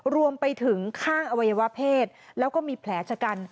รวมไปถึงข้างอวัยวะเพศแล้วก็มีแผลชะกัน